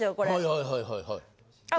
はいはいはいはい。